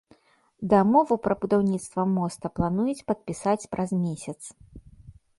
Дамову пра будаўніцтва моста плануюць падпісаць праз месяц.